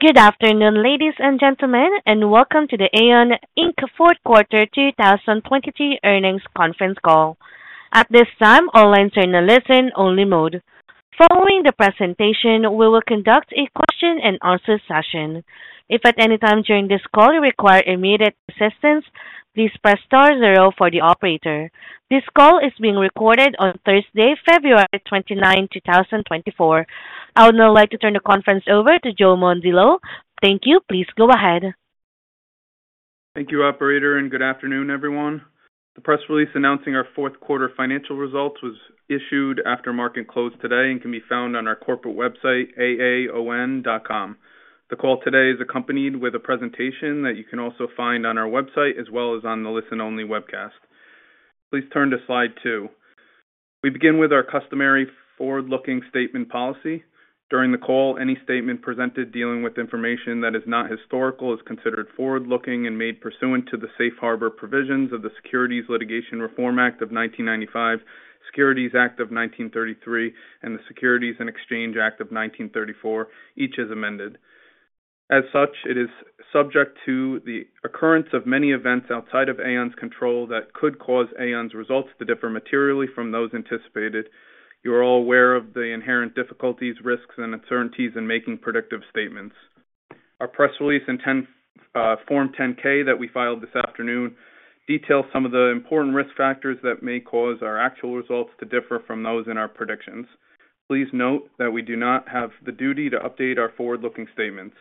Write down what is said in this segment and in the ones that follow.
Good afternoon, ladies and gentlemen, and welcome to the AAON, Inc. Q4 2023 earnings conference call. At this time, listen-only mode. Following the presentation, we will conduct a question-and-answer session. If at any time during this call you require immediate assistance, please press star 0 for the operator. This call is being recorded on Thursday, February 29, 2024. I would now like to turn the conference over to Joe Mondillo. Thank you, please go ahead. Thank you, operator, and good afternoon, everyone. The press release announcing our Q4 financial results was issued after market closed today and can be found on our corporate website, AAON.com. The call today is accompanied with a presentation that you can also find on our website as well as on the listen-only webcast. Please turn to slide 2. We begin with our customary forward-looking statement policy. During the call, any statement presented dealing with information that is not historical is considered forward-looking and made pursuant to the Safe Harbor provisions of the Securities Litigation Reform Act of 1995, Securities Act of 1933, and the Securities and Exchange Act of 1934, each as amended. As such, it is subject to the occurrence of many events outside of AAON's control that could cause AAON's results to differ materially from those anticipated. You are all aware of the inherent difficulties, risks, and uncertainties in making predictive statements. Our press release and Form 10-K that we filed this afternoon detail some of the important risk factors that may cause our actual results to differ from those in our predictions. Please note that we do not have the duty to update our forward-looking statements.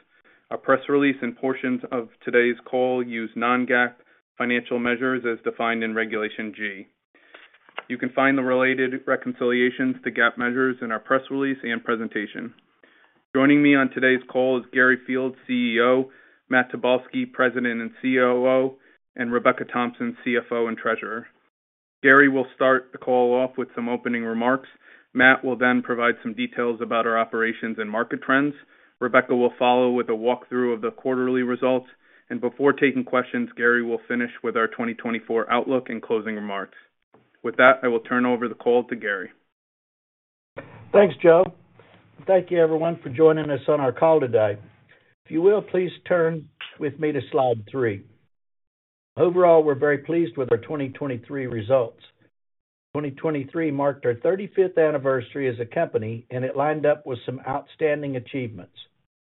Our press release and portions of today's call use non-GAAP financial measures as defined in Regulation G. You can find the related reconciliations to GAAP measures in our press release and presentation. Joining me on today's call is Gary Fields, CEO; Matt Tobolski, President and COO; and Rebecca Thompson, CFO and Treasurer. Gary will start the call off with some opening remarks. Matt will then provide some details about our operations and market trends. Rebecca will follow with a walkthrough of the quarterly results. Before taking questions, Gary will finish with our 2024 outlook and closing remarks. With that, I will turn over the call to Gary. Thanks, Joe. Thank you, everyone, for joining us on our call today. If you will, please turn with me to slide 3. Overall, we're very pleased with our 2023 results. 2023 marked our 35th anniversary as a company, and it lined up with some outstanding achievements.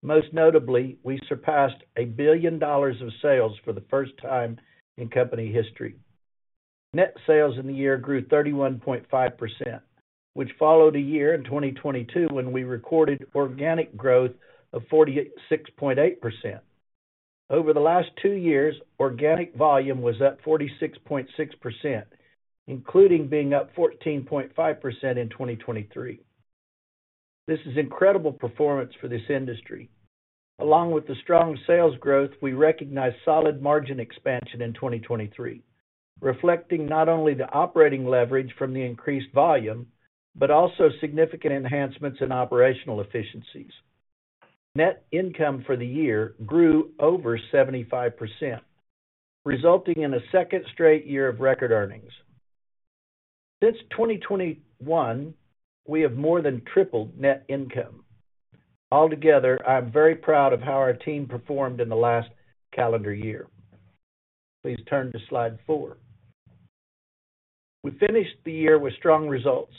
Most notably, we surpassed $1 billion of sales for the first time in company history. Net sales in the year grew 31.5%, which followed a year in 2022 when we recorded organic growth of 46.8%. Over the last two years, organic volume was up 46.6%, including being up 14.5% in 2023. This is incredible performance for this industry. Along with the strong sales growth, we recognize solid margin expansion in 2023, reflecting not only the operating leverage from the increased volume but also significant enhancements in operational efficiencies. Net income for the year grew over 75%, resulting in a second straight year of record earnings. Since 2021, we have more than tripled net income. Altogether, I'm very proud of how our team performed in the last calendar year. Please turn to slide 4. We finished the year with strong results.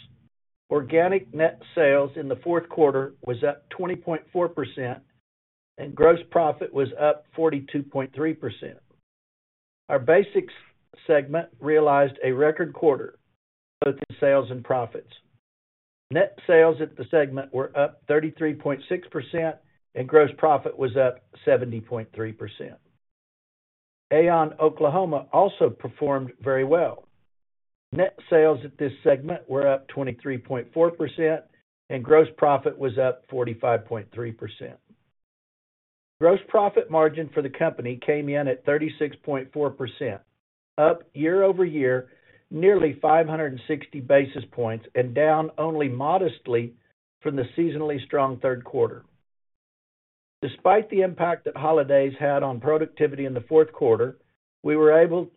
Organic net sales in the Q4 was up 20.4%, and gross profit was up 42.3%. Our BasX segment realized a record quarter, both in sales and profits. Net sales at the segment were up 33.6%, and gross profit was up 70.3%. AAON Oklahoma also performed very well. Net sales at this segment were up 23.4%, and gross profit was up 45.3%. Gross profit margin for the company came in at 36.4%, up year-over-year nearly 560 basis points and down only modestly from the seasonally strong Q3. Despite the impact that holidays had on productivity in the Q4, we were able to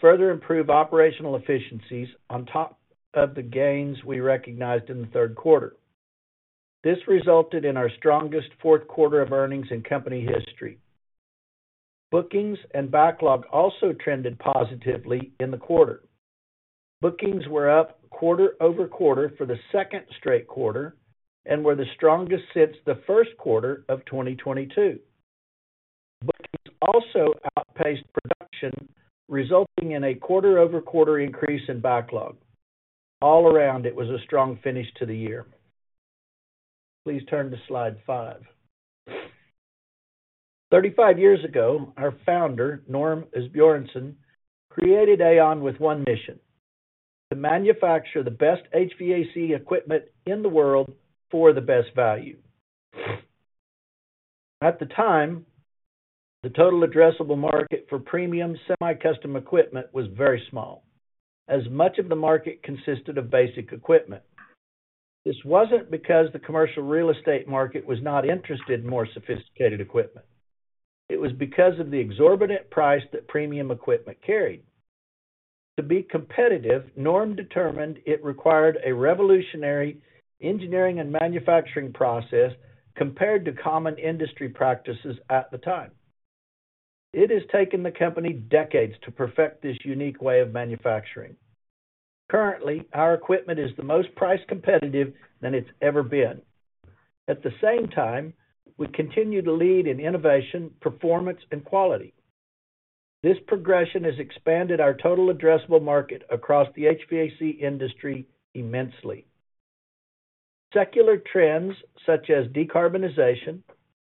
further improve operational efficiencies on top of the gains we recognized in the Q3. This resulted in our strongest Q4 of earnings in company history. Bookings and backlog also trended positively in the quarter. Bookings were up quarter-over-quarter for the second straight quarter and were the strongest since the Q1 of 2022. Bookings also outpaced production, resulting in a quarter-over-quarter increase in backlog. All around, it was a strong finish to the year. Please turn to slide 5. 35 years ago, our founder, Norm Asbjornson, created AAON with one mission: to manufacture the best HVAC equipment in the world for the best value. At the time, the total addressable market for premium semi-custom equipment was very small, as much of the market consisted of basic equipment. This wasn't because the commercial real estate market was not interested in more sophisticated equipment. It was because of the exorbitant price that premium equipment carried. To be competitive, Norm determined it required a revolutionary engineering and manufacturing process compared to common industry practices at the time. It has taken the company decades to perfect this unique way of manufacturing. Currently, our equipment is the most price competitive than it's ever been. At the same time, we continue to lead in innovation, performance, and quality. This progression has expanded our total addressable market across the HVAC industry immensely. Secular trends such as decarbonization,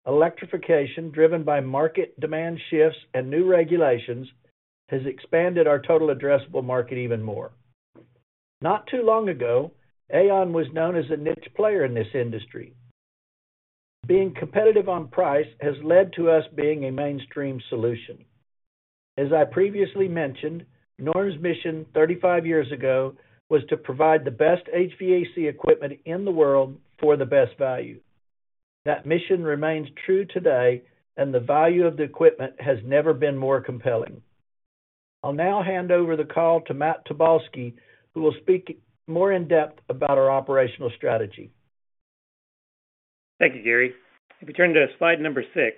electrification driven by market demand shifts, and new regulations have expanded our total addressable market even more. Not too long ago, AAON was known as a niche player in this industry. Being competitive on price has led to us being a mainstream solution. As I previously mentioned, Norm's mission 35 years ago was to provide the best HVAC equipment in the world for the best value. That mission remains true today, and the value of the equipment has never been more compelling. I'll now hand over the call to Matt Tobolski, who will speak more in depth about our operational strategy. Thank you, Gary. If you turn to slide number 6,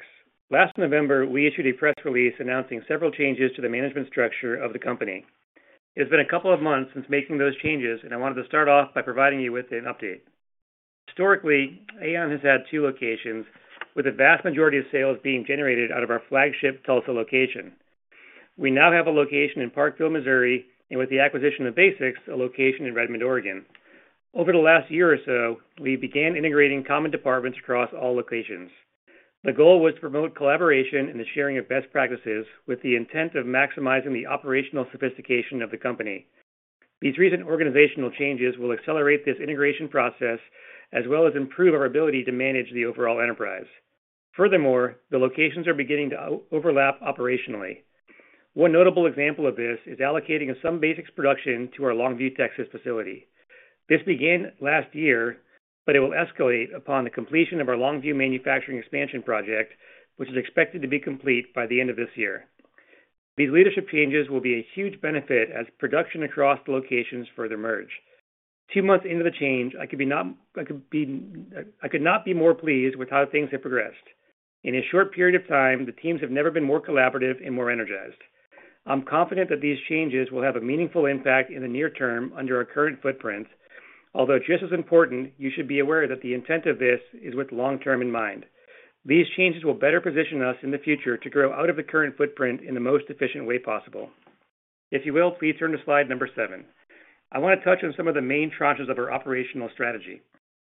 last November we issued a press release announcing several changes to the management structure of the company. It has been a couple of months since making those changes, and I wanted to start off by providing you with an update. Historically, AAON has had two locations, with the vast majority of sales being generated out of our flagship Tulsa location. We now have a location in Parkville, Missouri, and with the acquisition of BasX, a location in Redmond, Oregon. Over the last year or so, we began integrating common departments across all locations. The goal was to promote collaboration and the sharing of best practices with the intent of maximizing the operational sophistication of the company. These recent organizational changes will accelerate this integration process as well as improve our ability to manage the overall enterprise. Furthermore, the locations are beginning to overlap operationally. One notable example of this is allocating some BasX production to our Longview, Texas facility. This began last year, but it will escalate upon the completion of our Longview manufacturing expansion project, which is expected to be complete by the end of this year. These leadership changes will be a huge benefit as production across the locations further merge. Two months into the change, I could not be more pleased with how things have progressed. In a short period of time, the teams have never been more collaborative and more energized. I'm confident that these changes will have a meaningful impact in the near term under our current footprint, although just as important, you should be aware that the intent of this is with long-term in mind. These changes will better position us in the future to grow out of the current footprint in the most efficient way possible. If you will, please turn to slide number 7. I want to touch on some of the main tranches of our operational strategy.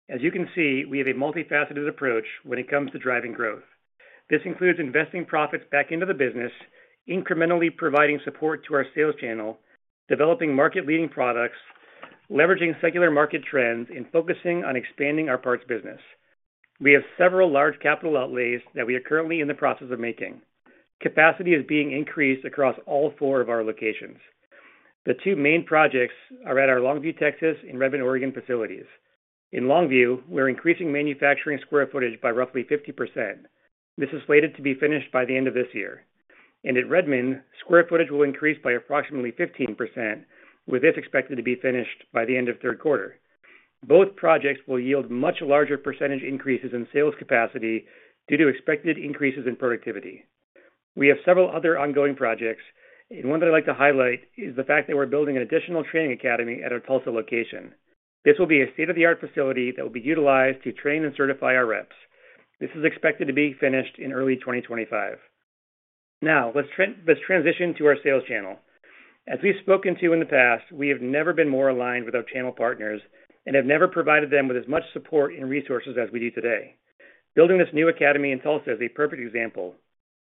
As you can see, we have a multifaceted approach when it comes to driving growth. This includes investing profits back into the business, incrementally providing support to our sales channel, developing market-leading products, leveraging secular market trends, and focusing on expanding our parts business. We have several large capital outlays that we are currently in the process of making. Capacity is being increased across all 4 of our locations. The two main projects are at our Longview, Texas, and Redmond, Oregon facilities. In Longview, we're increasing manufacturing square footage by roughly 50%. This is slated to be finished by the end of this year. At Redmond, square footage will increase by approximately 15%, with this expected to be finished by the end of Q3. Both projects will yield much larger percentage increases in sales capacity due to expected increases in productivity. We have several other ongoing projects, and one that I'd like to highlight is the fact that we're building an additional training academy at our Tulsa location. This will be a state-of-the-art facility that will be utilized to train and certify our reps. This is expected to be finished in early 2025. Now, let's transition to our sales channel. As we've spoken to in the past, we have never been more aligned with our channel partners and have never provided them with as much support and resources as we do today. Building this new academy in Tulsa is a perfect example.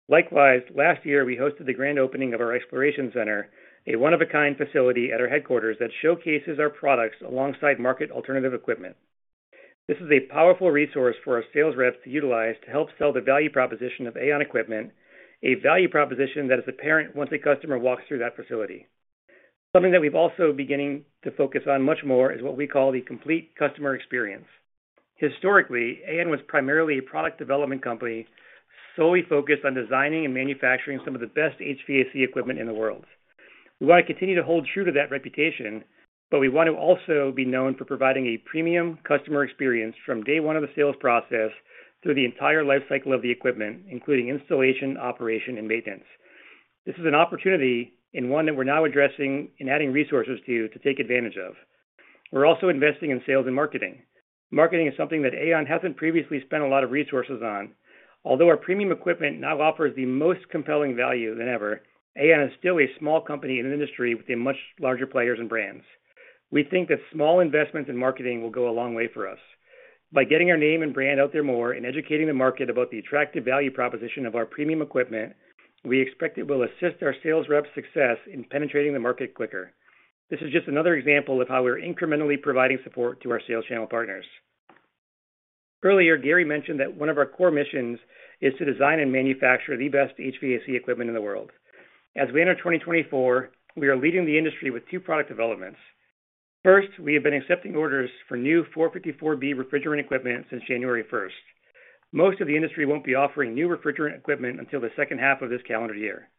Likewise, last year we hosted the grand opening of our exploration center, a one-of-a-kind facility at our headquarters that showcases our products alongside market alternative equipment. This is a powerful resource for our sales reps to utilize to help sell the value proposition of AAON equipment, a value proposition that is apparent once a customer walks through that facility. Something that we've also beginning to focus on much more is what we call the complete customer experience. Historically, AAON was primarily a product development company solely focused on designing and manufacturing some of the best HVAC equipment in the world. We want to continue to hold true to that reputation, but we want to also be known for providing a premium customer experience from day one of the sales process through the entire lifecycle of the equipment, including installation, operation, and maintenance. This is an opportunity and one that we're now addressing and adding resources to to take advantage of. We're also investing in sales and marketing. Marketing is something that AAON hasn't previously spent a lot of resources on. Although our premium equipment now offers the most compelling value than ever, AAON is still a small company in the industry with much larger players and brands. We think that small investments in marketing will go a long way for us. By getting our name and brand out there more and educating the market about the attractive value proposition of our premium equipment, we expect it will assist our sales reps' success in penetrating the market quicker. This is just another example of how we're incrementally providing support to our sales channel partners. Earlier, Gary mentioned that one of our core missions is to design and manufacture the best HVAC equipment in the world. As we enter 2024, we are leading the industry with two product developments. First, we have been accepting orders for new R-454B refrigerant equipment since January 1st. Most of the industry won't be offering new refrigerant equipment until the second half of this calendar year.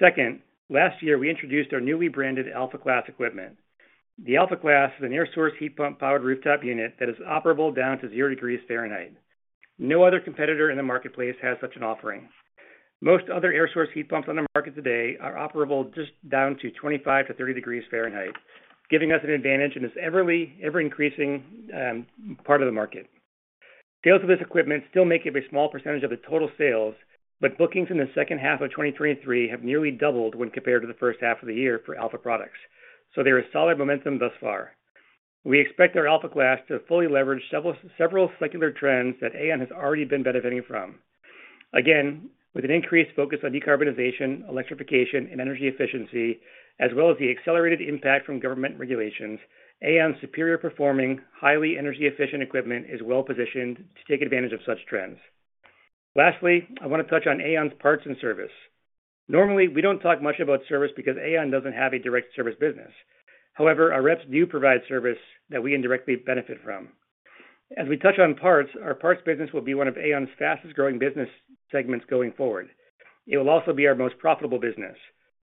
Second, last year we introduced our newly branded Alpha Class equipment. The Alpha Class is an air source heat pump powered rooftop unit that is operable down to 0 degrees Fahrenheit. No other competitor in the marketplace has such an offering. Most other air source heat pumps on the market today are operable just down to 25-30 degrees Fahrenheit, giving us an advantage in this ever-increasing part of the market. Sales of this equipment still make up a small percentage of the total sales, but bookings in the second half of 2023 have nearly doubled when compared to the first half of the year for Alpha products. So there is solid momentum thus far. We expect our Alpha Class to fully leverage several secular trends that AAON has already been benefiting from. Again, with an increased focus on decarbonization, electrification, and energy efficiency, as well as the accelerated impact from government regulations, AAON's superior performing, highly energy efficient equipment is well positioned to take advantage of such trends. Lastly, I want to touch on AAON's parts and service. Normally, we don't talk much about service because AAON doesn't have a direct service business. However, our reps do provide service that we indirectly benefit from. As we touch on parts, our parts business will be one of AAON's fastest growing business segments going forward. It will also be our most profitable business.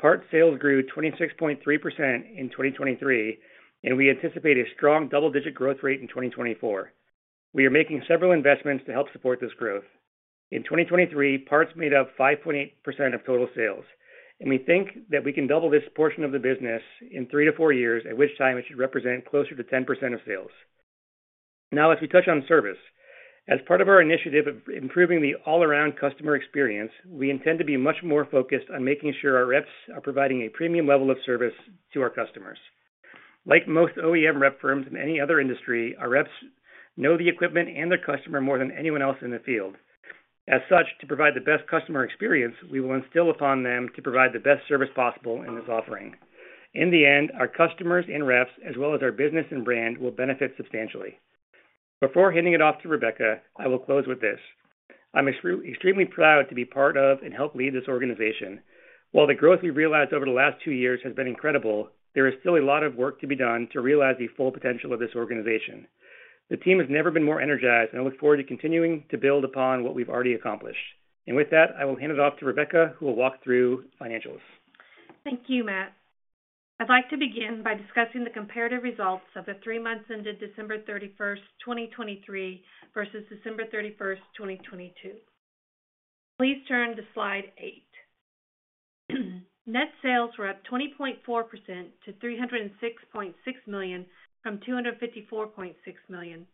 Parts sales grew 26.3% in 2023, and we anticipate a strong double-digit growth rate in 2024. We are making several investments to help support this growth. In 2023, parts made up 5.8% of total sales, and we think that we can double this portion of the business in 3-4 years, at which time it should represent closer to 10% of sales. Now, as we touch on service, as part of our initiative of improving the all-around customer experience, we intend to be much more focused on making sure our reps are providing a premium level of service to our customers. Like most OEM rep firms in any other industry, our reps know the equipment and their customer more than anyone else in the field. As such, to provide the best customer experience, we will instill upon them to provide the best service possible in this offering. In the end, our customers and reps, as well as our business and brand, will benefit substantially. Before handing it off to Rebecca, I will close with this. I'm extremely proud to be part of and help lead this organization. While the growth we realized over the last two years has been incredible, there is still a lot of work to be done to realize the full potential of this organization. The team has never been more energized, and I look forward to continuing to build upon what we've already accomplished. With that, I will hand it off to Rebecca, who will walk through financials. Thank you, Matt. I'd like to begin by discussing the comparative results of the three months ended December 31st, 2023 versus December 31st, 2022. Please turn to slide 8. Net sales were up 20.4% to $306.6 million from $254.6 million.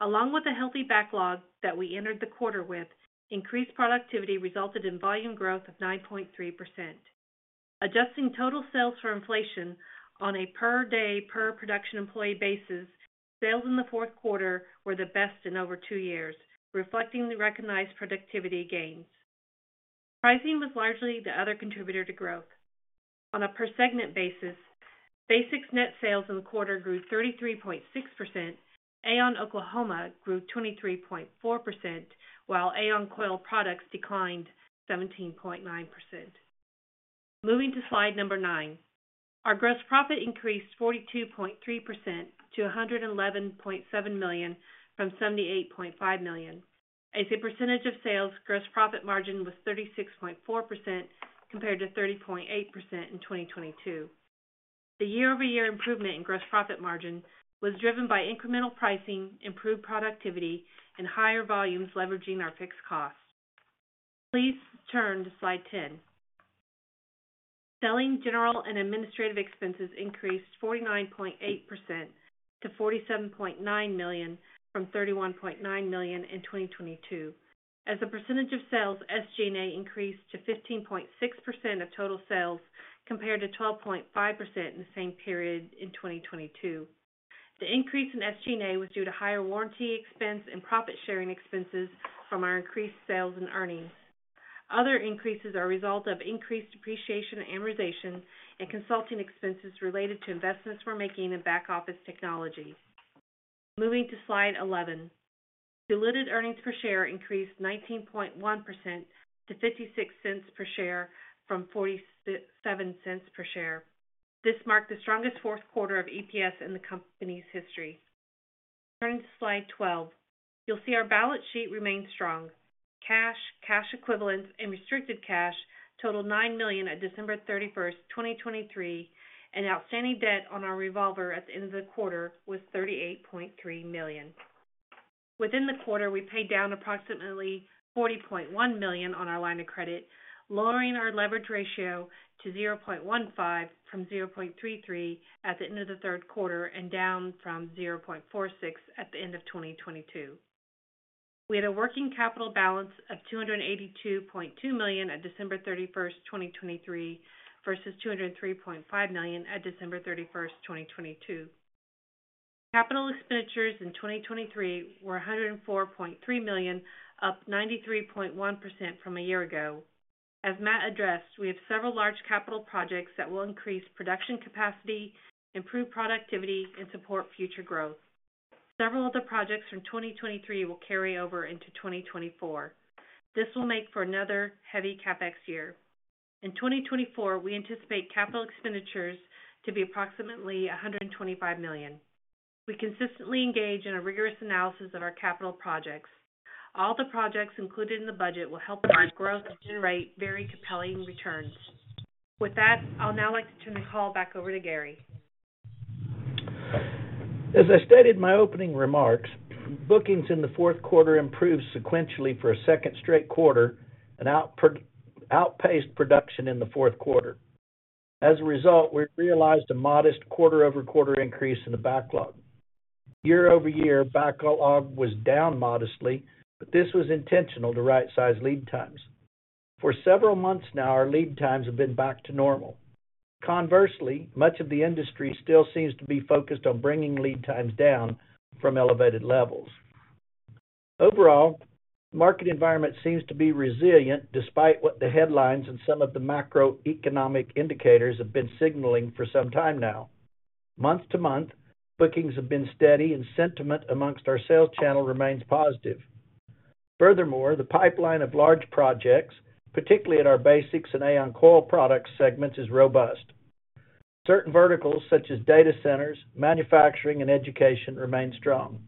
Along with a healthy backlog that we entered the quarter with, increased productivity resulted in volume growth of 9.3%. Adjusting total sales for inflation on a per day per production employee basis, sales in the Q4 were the best in over two years, reflecting the recognized productivity gains. Pricing was largely the other contributor to growth. On a per segment basis, BasX net sales in the quarter grew 33.6%, AAON Oklahoma grew 23.4%, while AAON Coil Products declined 17.9%. Moving to slide number 9. Our gross profit increased 42.3% to $111.7 million from $78.5 million. As a percentage of sales, gross profit margin was 36.4% compared to 30.8% in 2022. The year-over-year improvement in gross profit margin was driven by incremental pricing, improved productivity, and higher volumes leveraging our fixed cost. Please turn to slide 10. Selling general and administrative expenses increased 49.8% to $47.9 million from $31.9 million in 2022. As a percentage of sales, SG&A increased to 15.6% of total sales compared to 12.5% in the same period in 2022. The increase in SG&A was due to higher warranty expense and profit sharing expenses from our increased sales and earnings. Other increases are a result of increased depreciation, amortization, and consulting expenses related to investments we're making in back office technology. Moving to slide 11. Diluted earnings per share increased 19.1% to $0.56 per share from $0.47 per share. This marked the strongest Q4 of EPS in the company's history. Turning to slide 12. You'll see our balance sheet remains strong. Cash, cash equivalents, and restricted cash totaled $9 million at December 31st, 2023, and outstanding debt on our revolver at the end of the quarter was $38.3 million. Within the quarter, we paid down approximately $40.1 million on our line of credit, lowering our leverage ratio to 0.15 from 0.33 at the end of the Q3 and down from 0.46 at the end of 2022. We had a working capital balance of $282.2 million at December 31st, 2023 versus $203.5 million at December 31st, 2022. Capital expenditures in 2023 were $104.3 million, up 93.1% from a year ago. As Matt addressed, we have several large capital projects that will increase production capacity, improve productivity, and support future growth. Several of the projects from 2023 will carry over into 2024. This will make for another heavy CapEx year. In 2024, we anticipate capital expenditures to be approximately $125 million. We consistently engage in a rigorous analysis of our capital projects. All the projects included in the budget will help provide growth and rate very compelling returns. With that, I'll now like to turn the call back over to Gary. As I stated in my opening remarks, bookings in the Q4 improved sequentially for a second straight quarter and outpaced production in the Q4. As a result, we realized a modest quarter-over-quarter increase in the backlog. Year-over-year, backlog was down modestly, but this was intentional to right size lead times. For several months now, our lead times have been back to normal. Conversely, much of the industry still seems to be focused on bringing lead times down from elevated levels. Overall, the market environment seems to be resilient despite what the headlines and some of the macroeconomic indicators have been signaling for some time now. Month-to-month, bookings have been steady and sentiment amongst our sales channel remains positive. Furthermore, the pipeline of large projects, particularly at our BasX and AAON Coil Products segments, is robust. Certain verticals such as data centers, manufacturing, and education remain strong,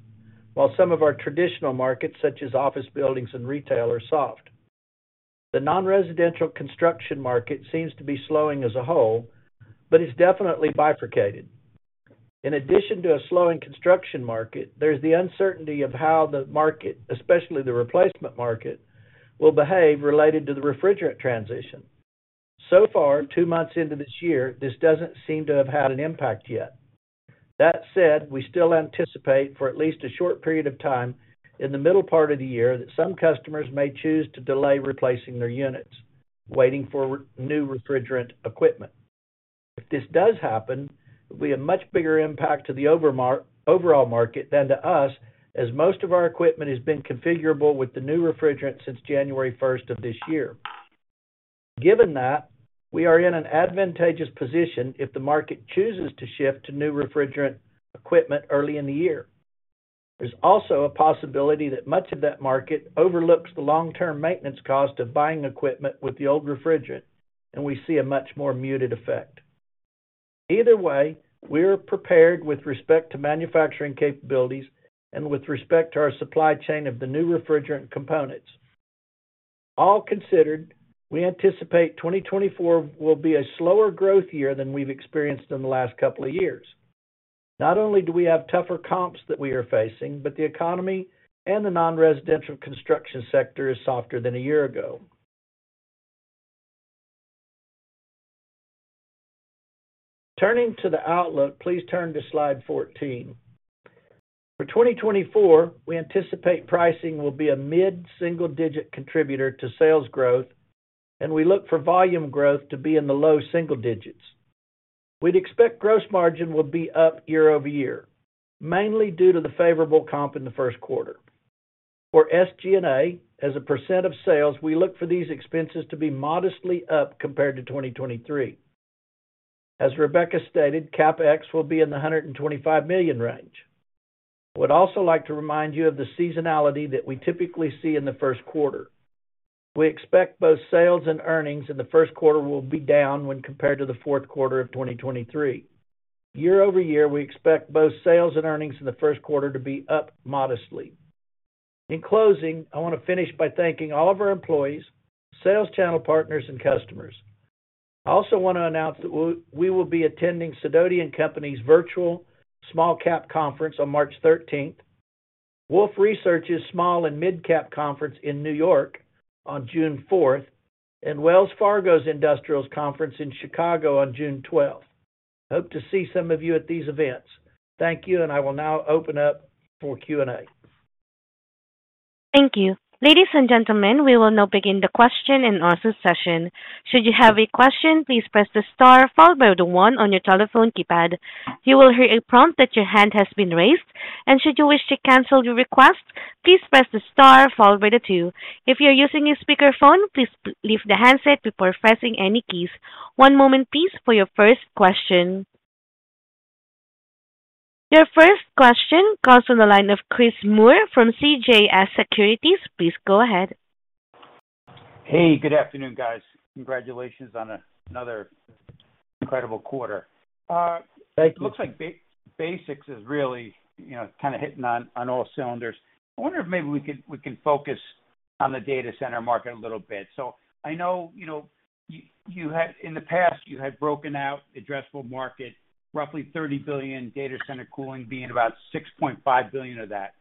while some of our traditional markets such as office buildings and retail are soft. The non-residential construction market seems to be slowing as a whole, but it's definitely bifurcated. In addition to a slowing construction market, there's the uncertainty of how the market, especially the replacement market, will behave related to the refrigerant transition. So far, two months into this year, this doesn't seem to have had an impact yet. That said, we still anticipate for at least a short period of time in the middle part of the year that some customers may choose to delay replacing their units, waiting for new refrigerant equipment. If this does happen, it will be a much bigger impact to the overall market than to us, as most of our equipment has been configurable with the new refrigerant since January 1st of this year. Given that, we are in an advantageous position if the market chooses to shift to new refrigerant equipment early in the year. There's also a possibility that much of that market overlooks the long-term maintenance cost of buying equipment with the old refrigerant, and we see a much more muted effect. Either way, we're prepared with respect to manufacturing capabilities and with respect to our supply chain of the new refrigerant components. All considered, we anticipate 2024 will be a slower growth year than we've experienced in the last couple of years. Not only do we have tougher comps that we are facing, but the economy and the non-residential construction sector is softer than a year ago. Turning to the outlook, please turn to slide 14. For 2024, we anticipate pricing will be a mid single digit contributor to sales growth, and we look for volume growth to be in the low single digits. We'd expect gross margin will be up year-over-year, mainly due to the favorable comp in the Q1. For SG&A, as a % of sales, we look for these expenses to be modestly up compared to 2023. As Rebecca stated, CapEx will be in the $125 million range. I would also like to remind you of the seasonality that we typically see in the Q1. We expect both sales and earnings in the Q1 will be down when compared to the Q4 of 2023. Year-over-year, we expect both sales and earnings in the Q1 to be up modestly. In closing, I want to finish by thanking all of our employees, sales channel partners, and customers. I also want to announce that we will be attending Sidoti & Company's virtual small cap conference on March 13th, Wolfe Research's small and mid cap conference in New York on June 4th, and Wells Fargo's industrials conference in Chicago on June 12th. Hope to see some of you at these events. Thank you, and I will now open up for Q&A. Thank you. Ladies and gentlemen, we will now begin the question and answer session. Should you have a question, please press the star followed by the 1 on your telephone keypad. You will hear a prompt that your hand has been raised, and should you wish to cancel your request, please press the star followed by the 2. If you're using a speakerphone, please leave the handset before pressing any keys. One moment, please, for your first question. Your first question calls on the line of Chris Moore from CJS Securities. Please go ahead. Hey, good afternoon, guys. Congratulations on another incredible quarter. It looks like BasX is really kind of hitting on all cylinders. I wonder if maybe we can focus on the data center market a little bit. So I know you had, in the past, you had broken out addressable market, roughly $30 billion data center cooling being about $6.5 billion of that.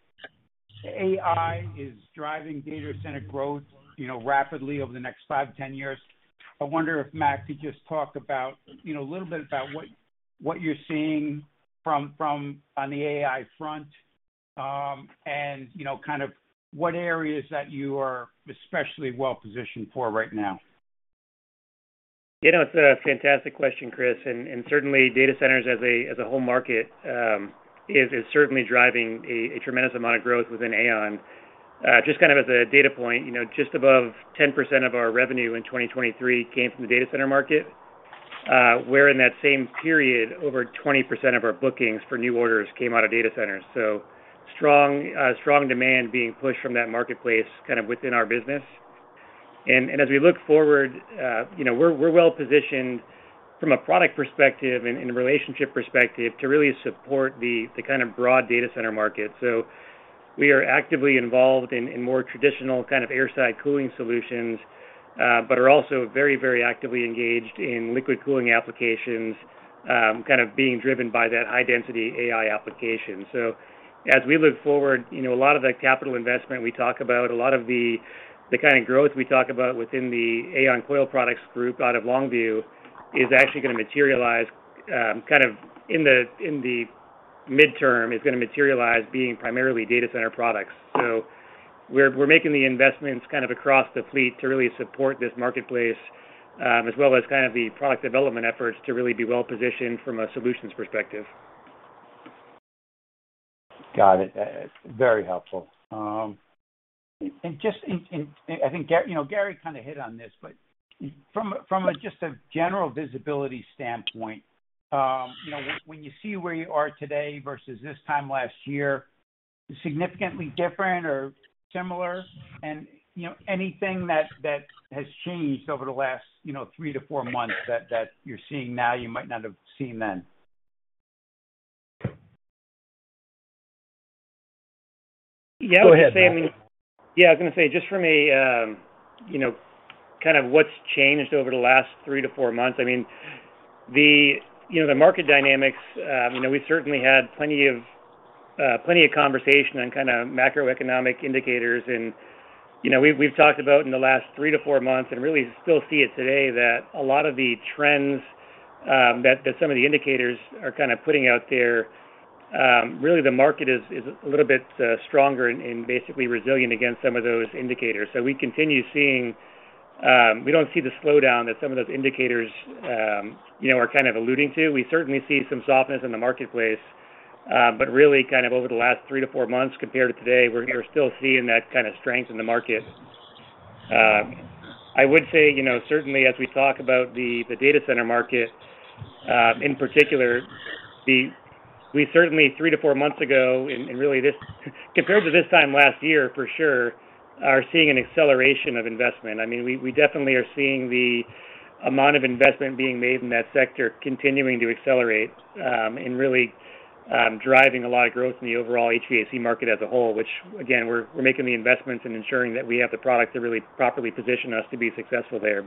AI is driving data center growth rapidly over the next 5-10 years. I wonder if Matt could just talk a little bit about what you're seeing on the AI front and kind of what areas that you are especially well positioned for right now. It's a fantastic question, Chris. And certainly, data centers as a whole market is certainly driving a tremendous amount of growth within AAON. Just kind of as a data point, just above 10% of our revenue in 2023 came from the data center market, where in that same period, over 20% of our bookings for new orders came out of data centers. So strong demand being pushed from that marketplace kind of within our business. And as we look forward, we're well positioned from a product perspective and relationship perspective to really support the kind of broad data center market. So we are actively involved in more traditional kind of airside cooling solutions, but are also very, very actively engaged in liquid cooling applications, kind of being driven by that high-density AI application. So as we look forward, a lot of the capital investment we talk about, a lot of the kind of growth we talk about within the AAON Coil Products group out of Longview is actually going to materialize kind of in the midterm, is going to materialize being primarily data center products. So we're making the investments kind of across the fleet to really support this marketplace, as well as kind of the product development efforts to really be well positioned from a solutions perspective. Got it. Very helpful. And just I think Gary kind of hit on this, but from just a general visibility standpoint, when you see where you are today versus this time last year, significantly different or similar? And anything that has changed over the last 3-4 months that you're seeing now you might not have seen then? Yeah, I was going to say I mean, yeah, I was going to say just from a kind of what's changed over the last 3-4 months. I mean, the market dynamics, we've certainly had plenty of conversation on kind of macroeconomic indicators. And we've talked about in the last 3-4 months and really still see it today that a lot of the trends that some of the indicators are kind of putting out there, really the market is a little bit stronger and basically resilient against some of those indicators. So we continue seeing, we don't see the slowdown that some of those indicators are kind of alluding to. We certainly see some softness in the marketplace, but really kind of over the last 3-4 months compared to today, we're still seeing that kind of strength in the market. I would say certainly, as we talk about the data center market in particular, we certainly 3-4 months ago and really compared to this time last year, for sure, are seeing an acceleration of investment. I mean, we definitely are seeing the amount of investment being made in that sector continuing to accelerate and really driving a lot of growth in the overall HVAC market as a whole, which, again, we're making the investments and ensuring that we have the product to really properly position us to be successful there.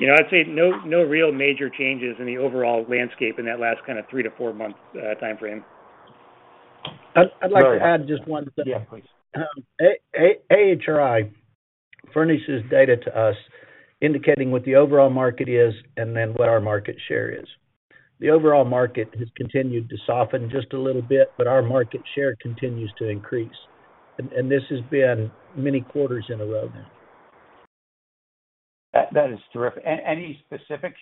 But I'd say no real major changes in the overall landscape in that last kind of 3-4 months timeframe. I'd like to add just one thing. Yeah, please. AHRI furnishes data to us indicating what the overall market is and then what our market share is. The overall market has continued to soften just a little bit, but our market share continues to increase. This has been many quarters in a row now. That is terrific. Any specifics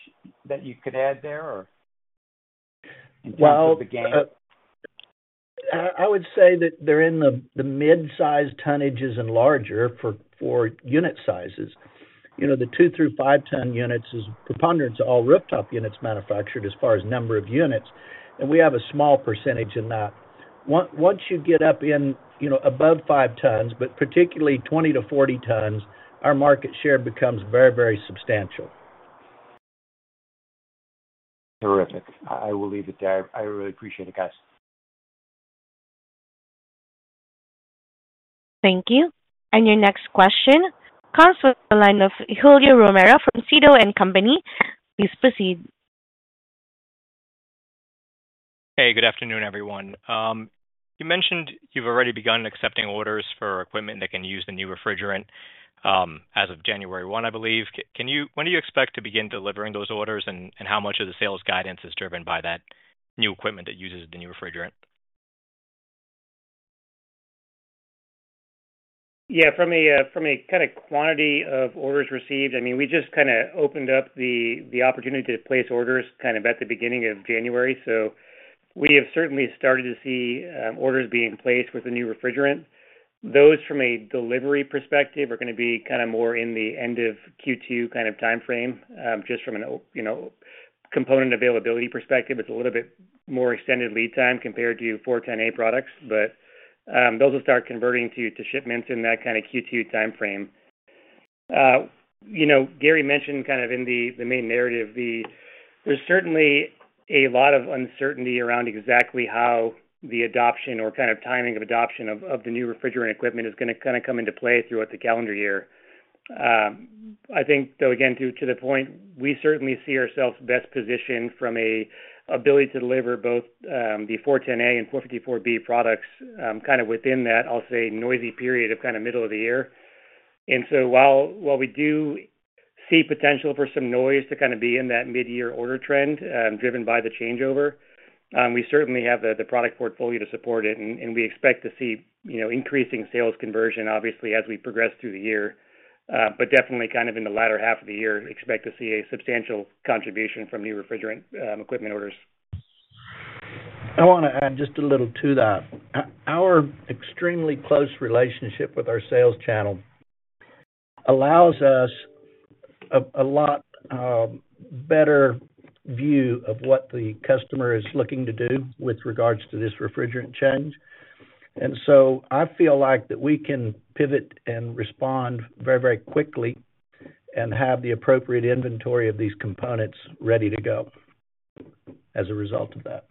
that you could add there or in terms of the gain? I would say that they're in the midsize tonnages and larger for unit sizes. The 2-5-ton units is preponderance all rooftop units manufactured as far as number of units. We have a small percentage in that. Once you get up in above 5 tons, but particularly 20-40 tons, our market share becomes very, very substantial. Terrific. I will leave it there. I really appreciate it, guys. Thank you. Your next question comes from the line of Julio Romero from Sidoti & Company. Please proceed. Hey, good afternoon, everyone. You mentioned you've already begun accepting orders for equipment that can use the new refrigerant as of January 1, I believe. When do you expect to begin delivering those orders, and how much of the sales guidance is driven by that new equipment that uses the new refrigerant? Yeah, from a kind of quantity of orders received, I mean, we just kind of opened up the opportunity to place orders kind of at the beginning of January. So we have certainly started to see orders being placed with the new refrigerant. Those from a delivery perspective are going to be kind of more in the end of Q2 kind of timeframe. Just from a component availability perspective, it's a little bit more extended lead time compared to R-410A products, but those will start converting to shipments in that kind of Q2 timeframe. Gary mentioned kind of in the main narrative, there's certainly a lot of uncertainty around exactly how the adoption or kind of timing of adoption of the new refrigerant equipment is going to kind of come into play throughout the calendar year. I think, though, again, to the point, we certainly see ourselves best positioned from an ability to deliver both the R-410A and R-454B products kind of within that, I'll say, noisy period of kind of middle of the year. And so while we do see potential for some noise to kind of be in that mid-year order trend driven by the changeover, we certainly have the product portfolio to support it, and we expect to see increasing sales conversion, obviously, as we progress through the year. But definitely kind of in the latter half of the year, expect to see a substantial contribution from new refrigerant equipment orders. I want to add just a little to that. Our extremely close relationship with our sales channel allows us a lot better view of what the customer is looking to do with regards to this refrigerant change. So I feel like that we can pivot and respond very, very quickly and have the appropriate inventory of these components ready to go as a result of that.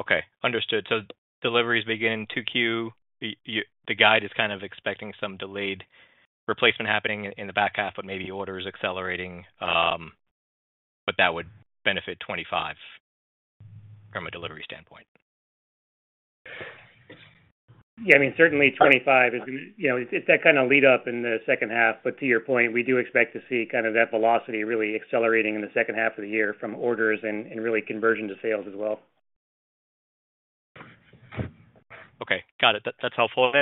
Okay, understood. So deliveries beginning 2Q, the guide is kind of expecting some delayed replacement happening in the back half, but maybe orders accelerating. But that would benefit 2025 from a delivery standpoint. Yeah, I mean, certainly 25 is going to, it's that kind of lead-up in the second half. But to your point, we do expect to see kind of that velocity really accelerating in the second half of the year from orders and really conversion to sales as well. Okay, got it. That's helpful.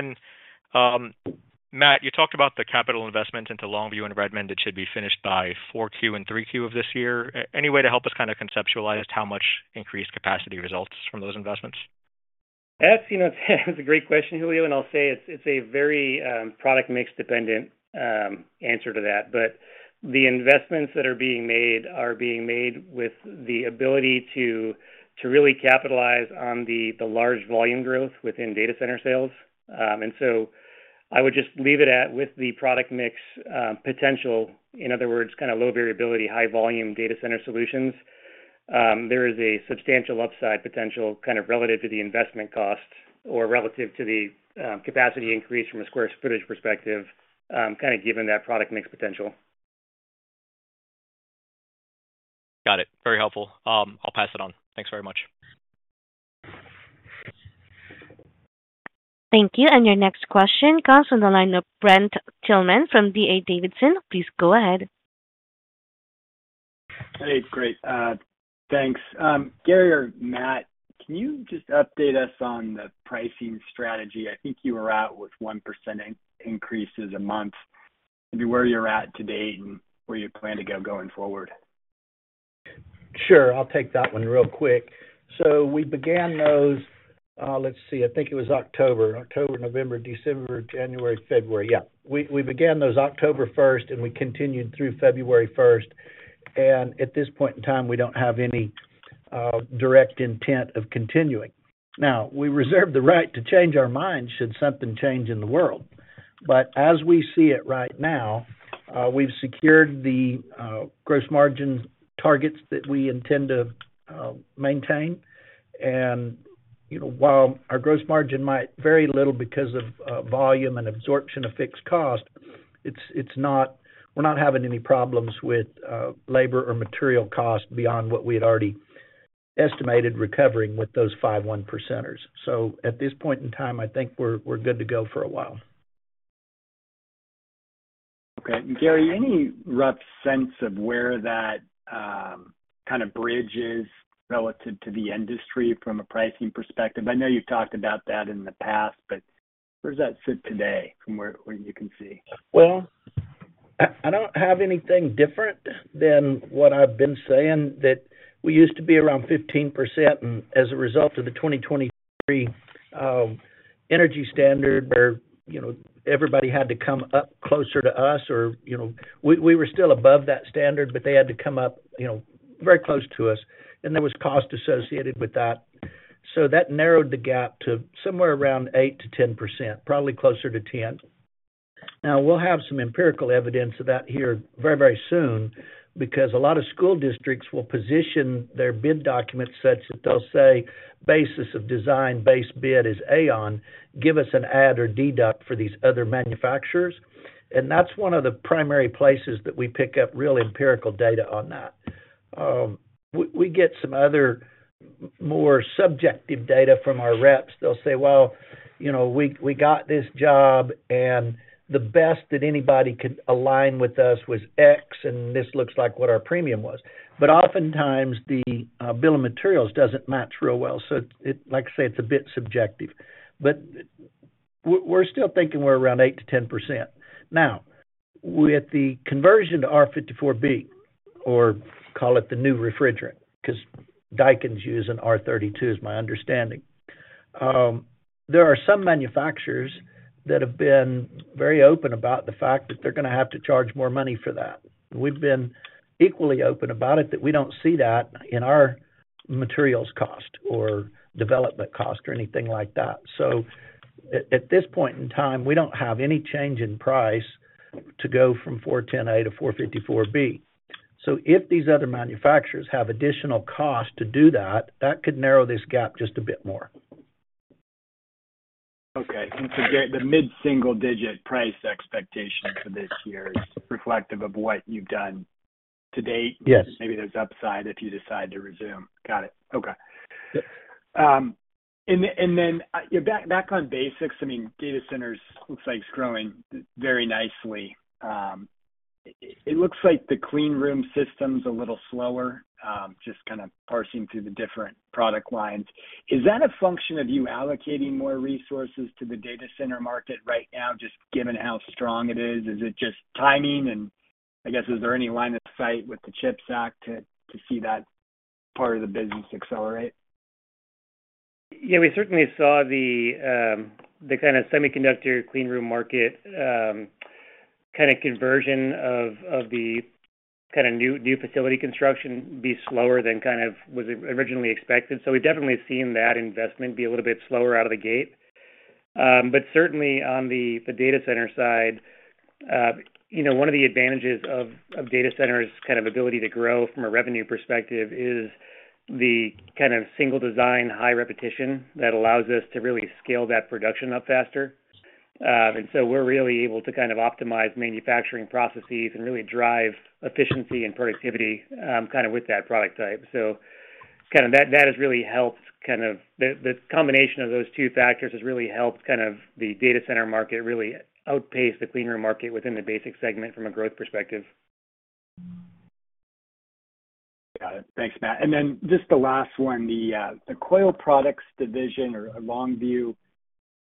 Matt, you talked about the capital investments into Longview and Redmond that should be finished by 4Q and 3Q of this year. Any way to help us kind of conceptualize how much increased capacity results from those investments? That's a great question, Julio. And I'll say it's a very product-mixed dependent answer to that. But the investments that are being made are being made with the ability to really capitalize on the large volume growth within data center sales. And so I would just leave it at with the product mix potential, in other words, kind of low variability, high volume data center solutions, there is a substantial upside potential kind of relative to the investment cost or relative to the capacity increase from a square footage perspective, kind of given that product mix potential. Got it. Very helpful. I'll pass it on. Thanks very much. Thank you. Your next question calls from the line of Brent Thielman from D.A. Davidson. Please go ahead. Hey, great. Thanks. Gary or Matt, can you just update us on the pricing strategy? I think you were out with 1% increases a month. Maybe where you're at to date and where you plan to go going forward. Sure. I'll take that one real quick. So we began those. Let's see. I think it was October, October, November, December, January, February. Yeah. We began those October 1st, and we continued through February 1st. And at this point in time, we don't have any direct intent of continuing. Now, we reserve the right to change our minds should something change in the world. But as we see it right now, we've secured the gross margin targets that we intend to maintain. And while our gross margin might vary little because of volume and absorption of fixed cost, we're not having any problems with labor or material cost beyond what we had already estimated recovering with those five 1%ers. So at this point in time, I think we're good to go for a while. Okay. And Gary, any rough sense of where that kind of bridge is relative to the industry from a pricing perspective? I know you've talked about that in the past, but where does that sit today from where you can see? Well, I don't have anything different than what I've been saying that we used to be around 15%. As a result of the 2023 energy standard, where everybody had to come up closer to us or we were still above that standard, but they had to come up very close to us. And there was cost associated with that. So that narrowed the gap to somewhere around 8%-10%, probably closer to 10%. Now, we'll have some empirical evidence of that here very, very soon because a lot of school districts will position their bid documents such that they'll say, "Basis of design base bid is AAON. Give us an add or deduct for these other manufacturers." And that's one of the primary places that we pick up real empirical data on that. We get some other more subjective data from our reps. They'll say, "Well, we got this job, and the best that anybody could align with us was X, and this looks like what our premium was." But oftentimes, the bill of materials doesn't match real well. So like I say, it's a bit subjective. But we're still thinking we're around 8%-10%. Now, with the conversion to R-454B or call it the new refrigerant because Daikin's using R-32 is my understanding, there are some manufacturers that have been very open about the fact that they're going to have to charge more money for that. We've been equally open about it that we don't see that in our materials cost or development cost or anything like that. So at this point in time, we don't have any change in price to go from R-410A to R-454B. If these other manufacturers have additional cost to do that, that could narrow this gap just a bit more. Okay. And so the mid-single-digit price expectation for this year is reflective of what you've done to date? Yes. Maybe there's upside if you decide to resume. Got it. Okay. And then back on BasX, I mean, data centers looks like it's growing very nicely. It looks like the clean room system's a little slower, just kind of parsing through the different product lines. Is that a function of you allocating more resources to the data center market right now, just given how strong it is? Is it just timing? And I guess, is there any line of sight with the CHIPS Act to see that part of the business accelerate? Yeah, we certainly saw the kind of semiconductor clean room market kind of conversion of the kind of new facility construction be slower than kind of was originally expected. So we've definitely seen that investment be a little bit slower out of the gate. But certainly, on the data center side, one of the advantages of data centers' kind of ability to grow from a revenue perspective is the kind of single design, high repetition that allows us to really scale that production up faster. And so we're really able to kind of optimize manufacturing processes and really drive efficiency and productivity kind of with that product type. So kind of that has really helped kind of the combination of those two factors has really helped kind of the data center market really outpace the clean room market within the BasX segment from a growth perspective. Got it. Thanks, Matt. And then just the last one, the Coil Products division or Longview,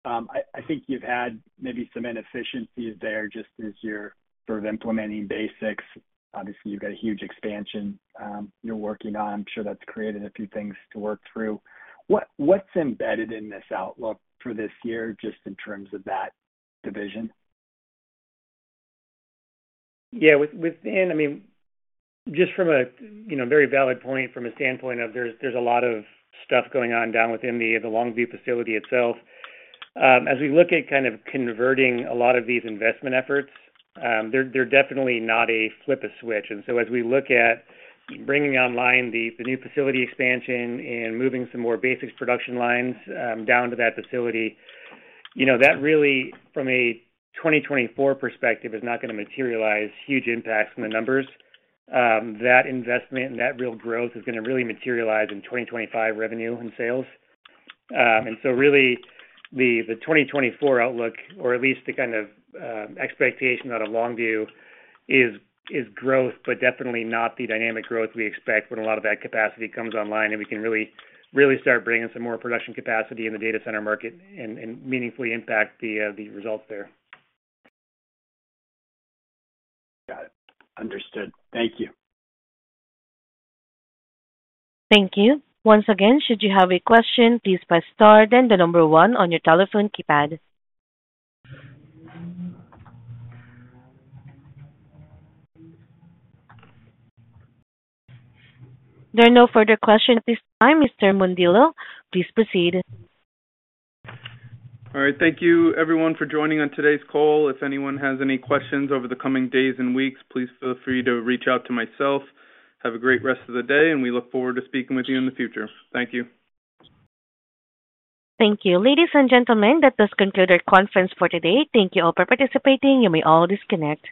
I think you've had maybe some inefficiencies there just as you're sort of implementing BasX. Obviously, you've got a huge expansion you're working on. I'm sure that's created a few things to work through. What's embedded in this outlook for this year just in terms of that division? Yeah, I mean, just from a very valid point, from a standpoint of there's a lot of stuff going on down within the Longview facility itself. As we look at kind of converting a lot of these investment efforts, they're definitely not a flip a switch. And so as we look at bringing online the new facility expansion and moving some more BasX production lines down to that facility, that really, from a 2024 perspective, is not going to materialize huge impacts in the numbers. That investment and that real growth is going to really materialize in 2025 revenue and sales. And so really, the 2024 outlook, or at least the kind of expectation out of Longview, is growth, but definitely not the dynamic growth we expect when a lot of that capacity comes online and we can really start bringing some more production capacity in the data center market and meaningfully impact the results there. Got it. Understood. Thank you. Thank you. Once again, should you have a question, please press star then the number one on your telephone keypad. There are no further questions at this time. Mr. Mondillo, please proceed. All right. Thank you, everyone, for joining on today's call. If anyone has any questions over the coming days and weeks, please feel free to reach out to myself. Have a great rest of the day, and we look forward to speaking with you in the future. Thank you. Thank you. Ladies and gentlemen, that does conclude our conference for today. Thank you all for participating. You may all disconnect.